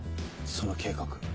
その計画。